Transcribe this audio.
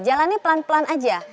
jalannya pelan pelan aja